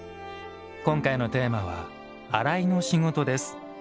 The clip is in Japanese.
今回のテーマは「洗いの仕事」です。